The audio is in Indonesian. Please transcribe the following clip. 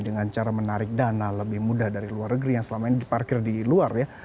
dengan cara menarik dana lebih mudah dari luar negeri yang selama ini diparkir di luar ya